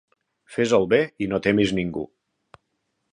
Fes el bé i no temis ningú.